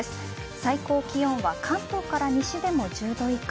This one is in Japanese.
最高気温は関東から西でも１０度以下。